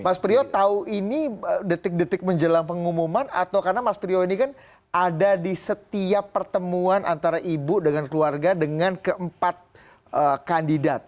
mas priyo tahu ini detik detik menjelang pengumuman atau karena mas priyo ini kan ada di setiap pertemuan antara ibu dengan keluarga dengan keempat kandidat